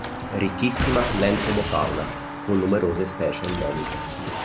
Ricchissima l'entomofauna, con numerose specie endemiche.